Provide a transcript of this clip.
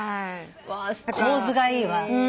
構図がいいわ。